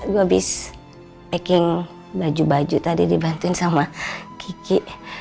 gue habis packing baju baju tadi dibantuin sama kiki